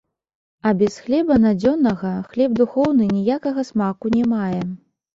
А без хлеба надзённага хлеб духоўны ніякага смаку не мае.